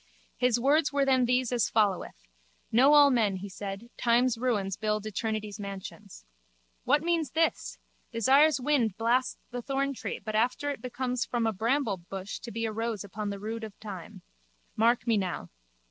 His words were then these as followeth: Know all men, he said, time's ruins build eternity's mansions. What means this? Desire's wind blasts the thorntree but after it becomes from a bramblebush to be a rose upon the rood of time. Mark me now.